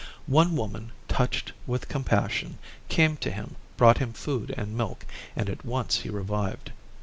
One woman, touched with compassion, came to him, brought him food and milk, and at once he revived.